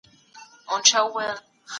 پر آس سپور د پیر بغل ته